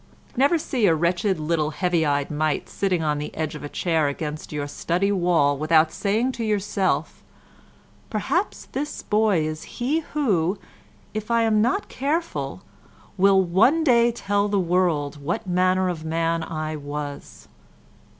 Never see a wretched little heavy eyed mite sitting on the edge of a chair against your study wall without saying to yourselves, "perhaps this boy is he who, if I am not careful, will one day tell the world what manner of man I was."